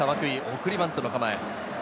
送りバントの構え。